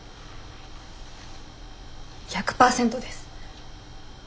１００％です。